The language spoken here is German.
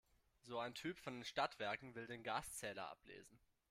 So ein Typ von den Stadtwerken will den Gaszähler ablesen.